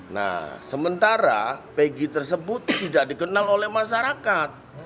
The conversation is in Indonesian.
nah sementara pegi tersebut tidak dikenal oleh masyarakat